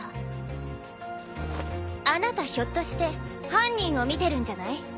あなたひょっとして犯人を見てるんじゃない？